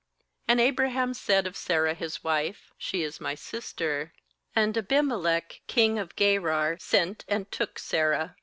2And Abraham said of Sarah his wife: 'She is my sister.' And Abimelech king of Gerar sent, and took Sarah.